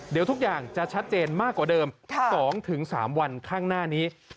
เดี๋ยวทุกอย่างจะชัดเจนมากกว่าเดิม๒๓วันข้างหน้านี้